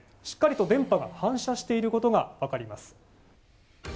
しっかりと電波が反射していることがわかります。